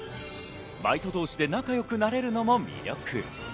バイト同士で仲良くなれるのも魅力。